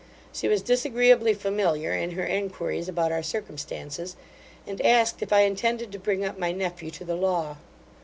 She was disagreeably familiar in her enquiries about our circumstances; and asked, if I intended to bring up my nephew to the law.